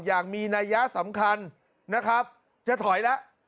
อย่างมีนัยยะสำคัญนะครับจะถอยแล้ว